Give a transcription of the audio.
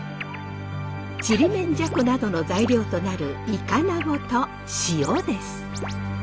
ちりめんじゃこなどの材料となるいかなごと塩です。